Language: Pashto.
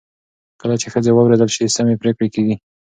کله چې ښځې واورېدل شي، سمې پرېکړې کېږي.